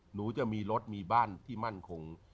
หนูจะมีรถมีบ้านที่มั่นคง